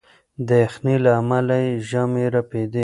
د یخنۍ له امله یې ژامې رپېدې.